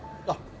あっ。